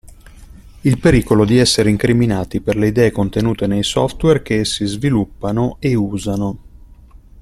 Il pericolo di essere incriminati per le idee contenute nei software che essi sviluppano e usano.